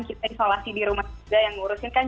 kita isolasi di rumah sakit darurat yang ngurusin kan